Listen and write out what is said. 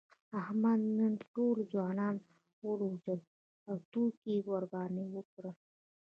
احمد نن ټول ځوانان و ځورول، ټوکې یې ورباندې وکړلې.